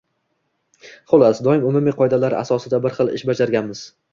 Xullas, doim umumiy qoidalar asosida bir xil ish bajarganmiz.